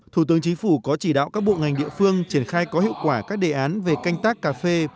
thủ tướng chính phủ có chỉ đạo các bộ ngành địa phương triển khai có hiệu quả các đề án về canh tác cà phê